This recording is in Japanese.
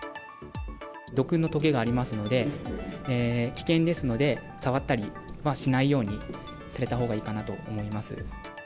毒のとげがありますので、危険ですので、触ったりはしないようにされたほうがいいかなと思います。